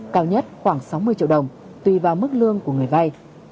cao nhất khoảng sáu mươi triệu đồng tùy vào mức lương của người vay